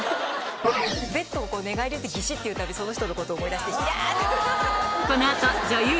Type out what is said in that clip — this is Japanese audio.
ベッドをこう寝返りうってギシっていうたびその人のことを思い出して嫌！